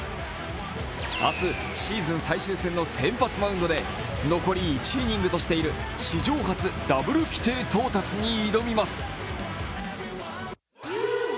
明日、シーズン最終戦の先発マウンドで残り１イニングとしている史上初ダブル規定到達に挑みます。